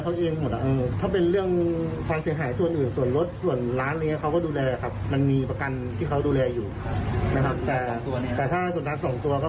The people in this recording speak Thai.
ค่าใช้จ่ายที่ที่หมาได้ไปที่กินิก